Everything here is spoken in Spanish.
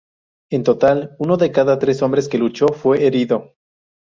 En total, uno de cada tres hombres que luchó fue herido.